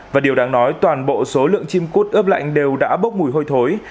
và điều đáng nói toàn bộ số lượng chim cút ướp lạnh đều đã bốc mùi hôi thối